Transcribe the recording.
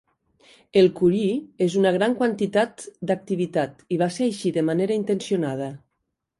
El curie es una gran quantitat d'activitat, i va ser així de manera intencionada.